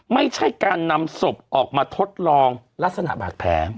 ไม่ใช่การนำศพออกมาทดลองลักษณะบาดแผล